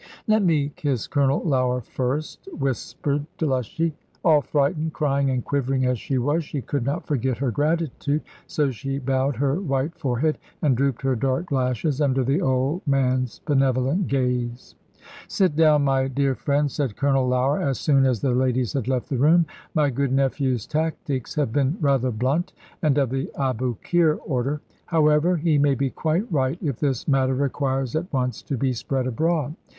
"Let me kiss Colonel Lougher first," whispered Delushy; all frightened, crying, and quivering as she was, she could not forget her gratitude. So she bowed her white forehead, and drooped her dark lashes under the old man's benevolent gaze. "Sit down, my dear friends," said Colonel Lougher, as soon as the ladies had left the room. "My good nephew's tactics have been rather blunt, and of the Aboukir order. However, he may be quite right if this matter requires at once to be spread abroad.